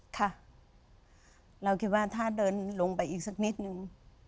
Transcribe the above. ค่ะเราคิดว่าถ้าเดินลงไปอีกสักนิดนึง